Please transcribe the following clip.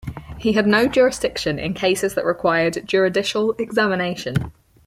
He had no jurisdiction in cases that required juridical examination.